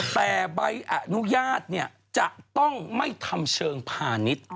แต่ใบอนุญาตจะต้องไม่ทำเชิงพาณิชย์